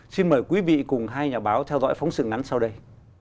xin mời quý vị cùng hai nhà báo theo dõi phóng sự ngắn sau đây